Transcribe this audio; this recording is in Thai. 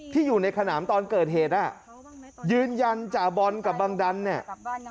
ที่อยู่ในขนามตอนเกิดเหตุอ่ะยืนยันจ่าบอลกับบังดันเนี่ย